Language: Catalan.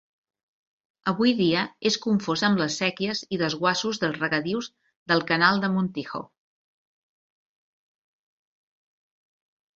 Avui dia és confós amb les séquies i desguassos dels regadius del Canal de Montijo.